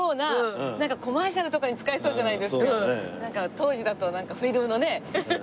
当時だとなんかフィルムのね。